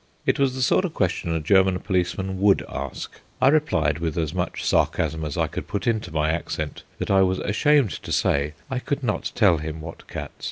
It was the sort of question a German policeman would ask. I replied with as much sarcasm as I could put into my accent that I was ashamed to say I could not tell him what cats.